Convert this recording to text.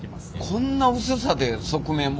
こんな薄さで側面は。